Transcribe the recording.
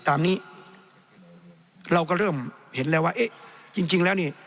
ตามนี้เราก็เริ่มเห็นแล้วว่าเอ๊ะจริงจริงแล้วนี่